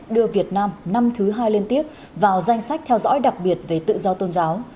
đưa việt nam năm thứ hai liên tiếp vào danh sách theo dõi đặc biệt về tự do tôn giáo